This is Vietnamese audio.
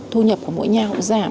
thu nhập của mỗi nhà cũng giảm